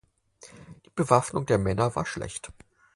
Die Bewaffnung der Männer war schlecht.